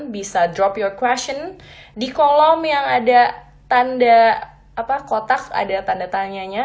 bisa drop your question di kolom yang ada tanda kotak ada tanda tanyanya